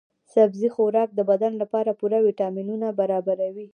سبزي خوراک د بدن لپاره پوره ويټامینونه برابروي.